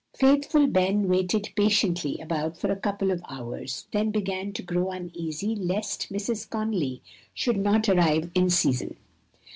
Faithful Ben waited patiently about for a couple of hours, then began to grow uneasy lest Mrs. Conly should not arrive in season.